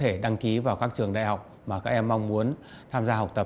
các em có thể đăng ký vào các trường đại học mà các em mong muốn tham gia học tập